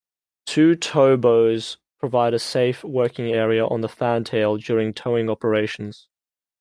Two tow bows provide a safe working area on the fantail during towing operations.